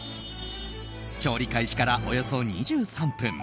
調理開始からおよそ２３分